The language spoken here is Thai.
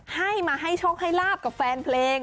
ให้มาให้โชคให้ลาบกับแฟนเพลง